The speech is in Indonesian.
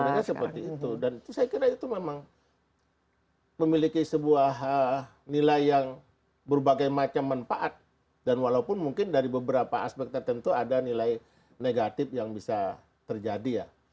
sebenarnya seperti itu dan itu saya kira itu memang memiliki sebuah nilai yang berbagai macam manfaat dan walaupun mungkin dari beberapa aspek tertentu ada nilai negatif yang bisa terjadi ya